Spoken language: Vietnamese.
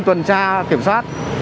tuần tra kiểm soát